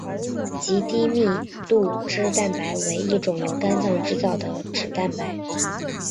极低密度脂蛋白为一种由肝脏制造的脂蛋白。